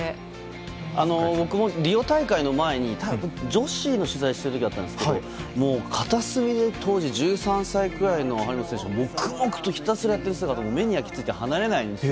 僕もリオ大会の前に女子の取材をしたことがあるんですが片隅で当時１３歳くらいの張本選手が黙々とひたすらやっている姿が目に焼き付いて離れないんです。